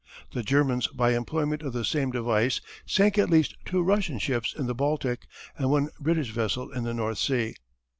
The Germans by employment of the same device sank at least two Russian ships in the Baltic and one British vessel in the North Sea.